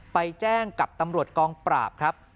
ไปแจ้งกับตำรวจกองปราบครับ